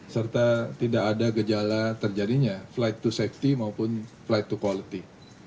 serta tidak ada gejala terjadinya flight to safety maupun flight to quality